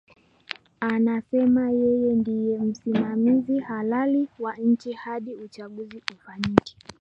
Anasema yeye ndie msimamizi halali wanchi hadi uchaguzi ufanyike